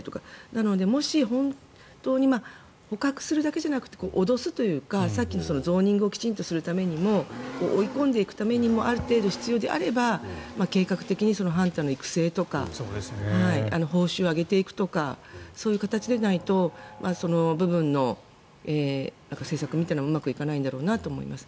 なので、もし本当に捕獲するだけじゃなくて脅すというかさっきのゾーニングをきちんとするためにも追い込んでいくためにもある程度必要であれば計画的にハンターの育成とか報酬を上げていくとかそういう形でないとその部分の施策みたいなものもうまくいかないだろうと思います。